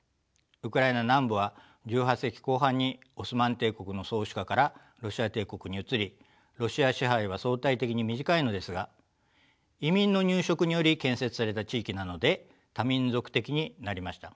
ウクライナ南部は１８世紀後半にオスマン帝国の宗主下からロシア帝国に移りロシア支配は相対的に短いのですが移民の入植により建設された地域なので多民族的になりました。